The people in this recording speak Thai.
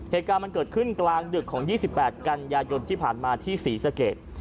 เหตุการณ์มันเกิดขึ้นกลางดึกของ๒๘กันยายนที่ผ่านมาที่ศรีสะเกด